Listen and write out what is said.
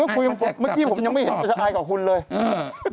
คุณก็คุยมักไม่แล้วก่อนผมผมไม่เห็นเธอไทยเค้ากับคุณเลย